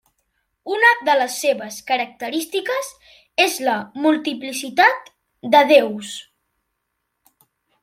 Una de les seves característiques és la multiplicitat de déus.